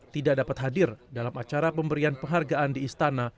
tidak dapat hadir dalam acara pemberian penghargaan di istana